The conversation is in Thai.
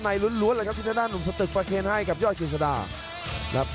ในล้วนทนาหนุ่มสตึกประเคนให้กับยอดกิสดา